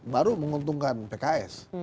baru menguntungkan pks